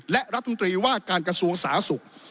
และรัฐมนตรีว่าการกระทรวงสาธารณสุข